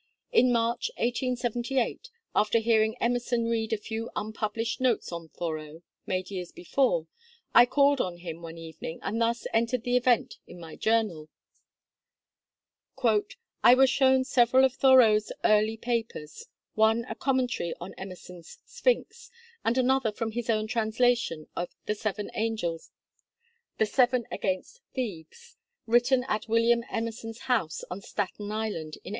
In March, 1878, after hearing Emerson read a few unpublished notes on Thoreau, made years before, I called on him one evening, and thus entered the event in my journal: "I was shown several of Thoreau's early papers; one a commentary on Emerson's 'Sphinx,' and another from his own translation of 'The Seven Against Thebes,' written at William Emerson's house on Staten Island in 1843.